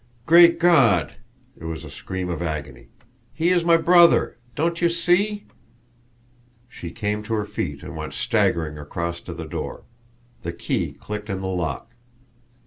"Great God!" It was a scream of agony. "He is my brother! Don't you see?" She came to her feet and went staggering across to the door. The key clicked in the lock.